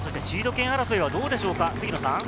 シード権争いはどうでしょうか？